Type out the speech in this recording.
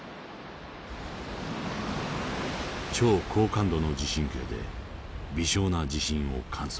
超高感度の地震計で微小な地震を観測。